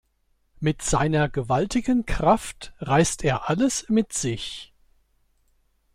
Mit seiner gewaltigen Kraft reißt er alles mit sich.